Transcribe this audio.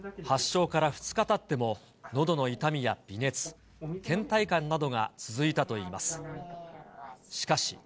発症から２日たっても、のどの痛みや微熱、けん怠感などが続いたといいます。